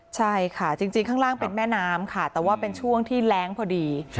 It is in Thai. ใช่ค่ะจริงข้างล่างเป็นแม่น้ำค่ะแต่ว่าเป็นช่วงที่แรงพอดี